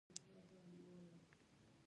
پکتیکا خلک ساده، غیرتي او دین دار دي.